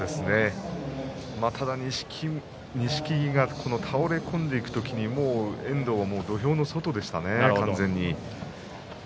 ただ、錦木が倒れ込んでいく時に遠藤は、もう土俵の外でしたね完全に。